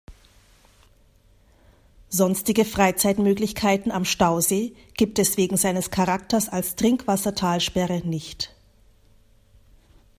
Sonstige Freizeitmöglichkeiten am Stausee gibt es wegen seines Charakters als Trinkwassertalsperre nicht.